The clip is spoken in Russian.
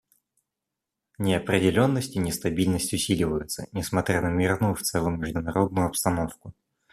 Неопределенность и нестабильность усиливаются, несмотря на мирную в целом международную обстановку.